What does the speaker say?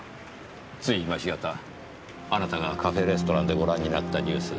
つい今しがたあなたがカフェレストランでご覧になったニュース